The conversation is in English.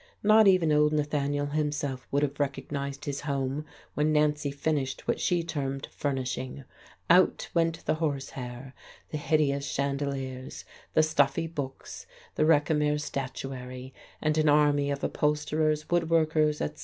Not even old Nathaniel himself would have recognized his home when Nancy finished what she termed furnishing: out went the horsehair, the hideous chandeliers, the stuffy books, the Recamier statuary, and an army of upholsterers, wood workers, etc.